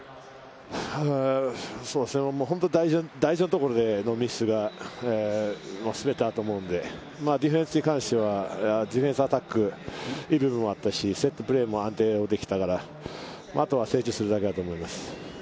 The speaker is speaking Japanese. そうですね、大事なところでのミスが全てだと思うので、ディフェンスに関しては、アタックはいい部分もあったし、セットプレーも安定してできたからあと整理するだけだと思います。